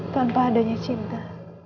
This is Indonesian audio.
tanpa adanya cinta